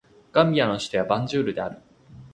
ガンビアの首都はバンジュールである